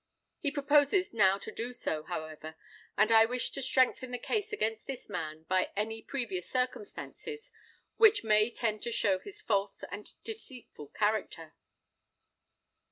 He proposes now to do so, however, and I wish to strengthen the case against this man by any previous circumstances which may tend to show his false and deceitful character."